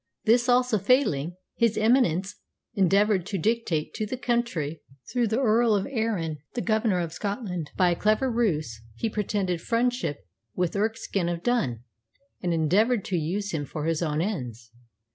This also failing, his Eminence endeavoured to dictate to the country through the Earl of Arran, the Governor of Scotland. By a clever ruse he pretended friendship with Erskine of Dun, and endeavoured to use him for his own ends.